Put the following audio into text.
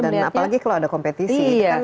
dan apalagi kalau ada kompetisi